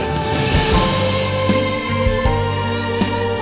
dan di versi jauh lebih baik